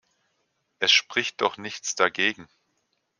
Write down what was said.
Es spricht doch nichts dagegen.